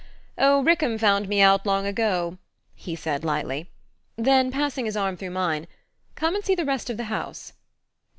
"Oh, Rickham found me out long ago," he said lightly; then, passing his arm through mine: "Come and see the rest of the house."